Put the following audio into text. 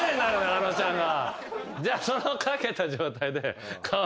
あのちゃんが。